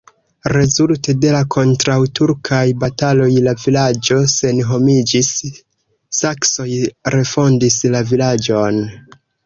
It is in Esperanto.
Rezulte de la kontraŭturkaj bataloj la vilaĝo senhomiĝis, saksoj refondis la vilaĝon.